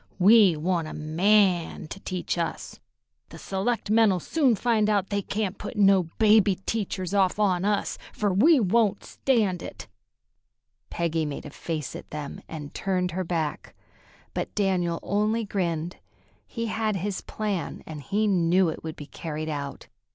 "We want a man to teach us. The selectmen'll soon find out they can't put no baby teachers off on us, fer we won't stand it." Peggy made a face at them and turned her back, but Daniel only grinned. He had his plan, and he knew it would be carried out.